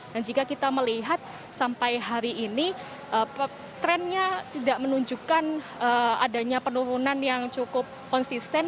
dan jika kita melihat sampai hari ini trennya tidak menunjukkan adanya penurunan yang cukup konsisten